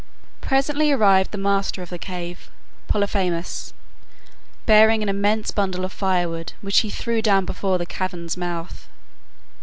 Presently arrived the master of the cave, Polyphemus, bearing an immense bundle of firewood, which he threw down before the cavern's mouth.